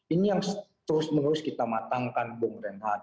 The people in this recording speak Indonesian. ini yang terus menerus kita matangkan bung reinhardt